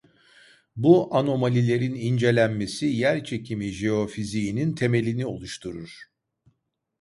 Bu anomalilerin incelenmesi yerçekimi jeofiziğinin temelini oluşturur.